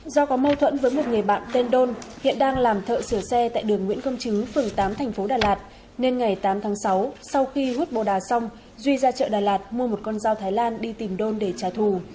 do có mâu thuẫn với một người bạn tên đôn hiện đang làm thợ sửa xe tại đường nguyễn công chứ phường tám thành phố đà lạt nên ngày tám tháng sáu sau khi hút bồ đà xong duy ra chợ đà lạt mua một con dao thái lan đi tìm đôn để trả thù